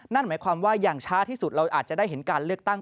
นั่นหมายความว่าอย่างช้าที่สุดเราอาจจะได้เห็นการเลือกตั้ง